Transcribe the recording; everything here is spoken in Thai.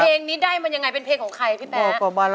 เพลงนี้อยู่ในอาราบัมชุดแจ็คเลยนะครับ